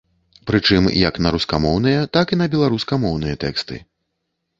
Прычым як на рускамоўныя, так і на беларускамоўныя тэксты.